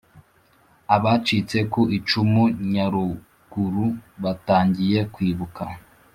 Abacitse ku icumu Nyarugurubatangiye kwibuka